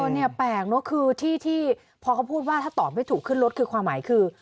เนี่ยแปลกเนอะคือที่พอเขาพูดว่าถ้าตอบไม่ถูกขึ้นรถคือความหมายคือ